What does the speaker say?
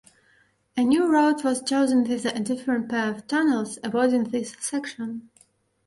A new route was chosen with a different pair of tunnels, avoiding this section.